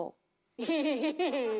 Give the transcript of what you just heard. ウフフフフ。